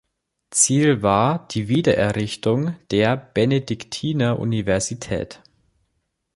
Ziel war die Wiedererrichtung der Benediktineruniversität.